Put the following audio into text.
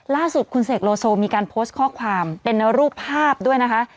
ล่าสุดคุณเสกโลโซมีการโพสต์ข้อความเป็นรูปภาพด้วยนะคะ